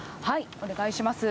お願いします。